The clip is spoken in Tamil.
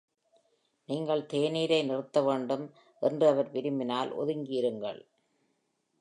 நீங்கள் தேநீரை நிறுத்த வேண்டும் என்று அவர் விரும்பினால், ஒதுங்கி இருங்கள்.